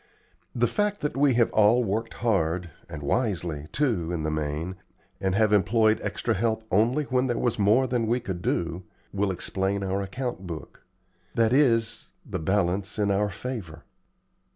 The fact that we have all worked hard, and wisely, too, in the main, and have employed extra help only when there was more than we could do, will explain our account book; that is, the balance in our favor.